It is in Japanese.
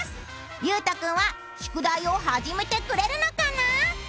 ゆうとくんは宿題を始めてくれるのかな？